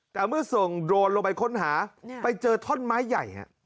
แต่เมื่อส่งโดรนลงไปค้นหาไปเจอท่อนไม้ใหญ่